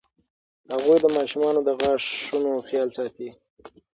هغوی د ماشومانو د غاښونو خیال ساتي.